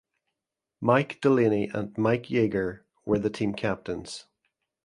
Mike Delaney and Mike Yeager were the team captains.